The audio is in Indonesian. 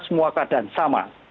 semua keadaan sama